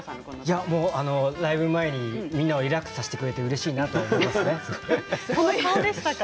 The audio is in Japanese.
ライブ前にみんなをリラックスさせてくれてうれしいなと思っています。